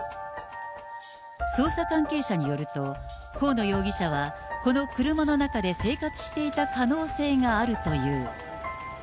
捜査関係者によると、河野容疑者は、この車の中で生活していた可能性があるという。